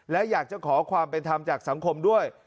และอยากจะขอความเป็นธรรมจากสังคมด้วย